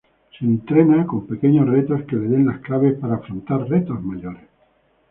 Se entrenan con pequeños retos que les den las claves para afrontar retos mayores.